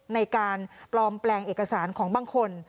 ในการปลอมแปลงเอกสารของบางคน